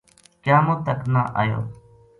قیامت تک نہ ایو